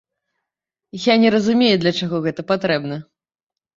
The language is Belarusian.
Я не разумею, для чаго гэта патрэбна.